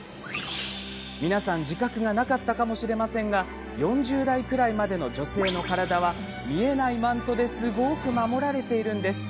皆さん、自覚がなかったかもしれませんが４０代くらいまでの女性の体は見えないマントですごく守られているんです。